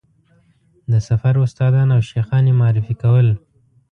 د سفر استادان او شیخان یې معرفي کول.